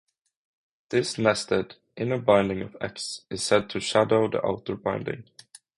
This nested, inner binding of x is said to "shadow" the outer binding.